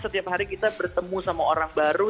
setiap hari kita bertemu sama orang baru